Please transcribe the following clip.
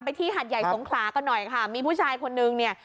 ที่หัดใหญ่สงขลากันหน่อยค่ะมีผู้ชายคนนึงเนี่ย